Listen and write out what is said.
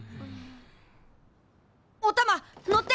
おたま乗って！